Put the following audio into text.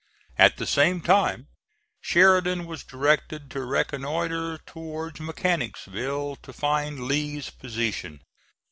At the same time Sheridan was directed to reconnoitre towards Mechanicsville to find Lee's position.